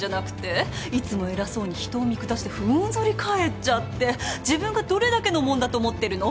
いつも偉そうに人を見下して踏ん反り返っちゃって自分がどれだけのもんだと思ってるの？